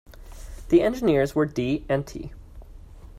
The engineers were D. and T.